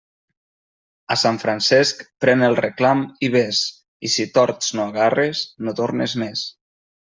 A Sant Francesc, pren el reclam i vés; i si tords no agarres, no tornes més.